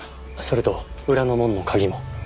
それと裏の門の鍵も。